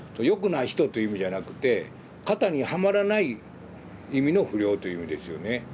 「よくない人」という意味じゃなくて「型にはまらない」意味の不良という意味ですよね。